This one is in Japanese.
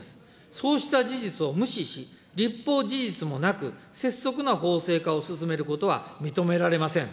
そうした事実を無視し、立法事実もなく、拙速な法制化を進めることは認められません。